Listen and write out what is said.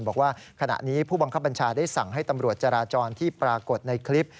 บอกว่าขณะนี้ผู้บังคับบัญชาได้สั่งให้ตำรวจจราจรที่ปรากฏในคลิป